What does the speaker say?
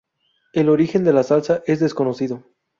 El origen de la salsa es desconocido.